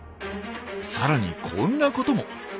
さらにこんなことも。